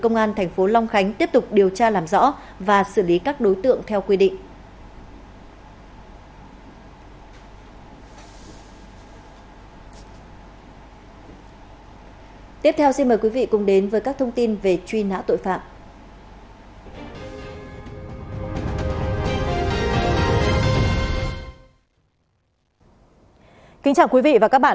công an thành phố long khánh đã bắt quả tang sáu đối tượng đang tụ tập sử dụng trái phép chất ma túy